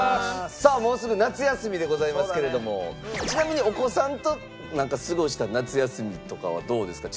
さあもうすぐ夏休みでございますけれどもちなみにお子さんと過ごした夏休みとかはどうですか？